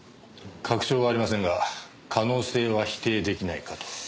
確証はありませんが可能性は否定出来ないかと。